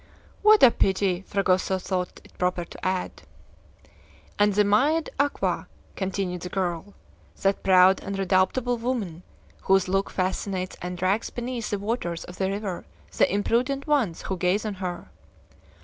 "What a pity!" Fragoso thought it proper to add. "And the 'Mae d'Aqua,'" continued the girl "that proud and redoubtable woman whose look fascinates and drags beneath the waters of the river the imprudent ones who gaze a her."